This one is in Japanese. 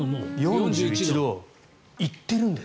４１度いってるんです。